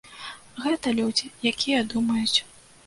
Гэта людзі, якія думаюць.